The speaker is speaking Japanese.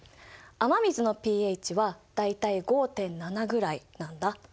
雨水のｐＨは大体５．７ぐらいなんだ。